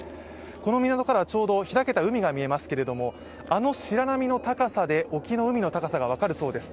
この港からは開けた海が見えますけれども、あの白波の高さで、沖の海の高さが分かるそうです。